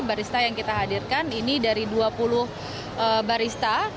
barista yang kita hadirkan ini dari dua puluh barista